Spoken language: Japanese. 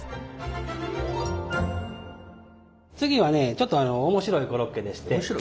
次はねちょっと面白いコロッケでして。